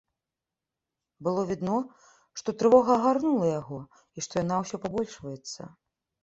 Было відно, што трывога агарнула яго і што яна ўсё пабольшваецца.